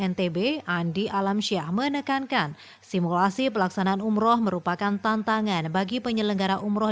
ntb andi alamsyah menekankan simulasi pelaksanaan umroh merupakan tantangan bagi penyelenggara umroh